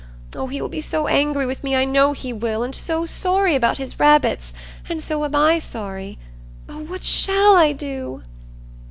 Oh, he will be so angry with me, I know he will, and so sorry about his rabbits, and so am I sorry. Oh, what shall I do?"